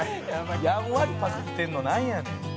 「やんわりパクってるのなんやねん」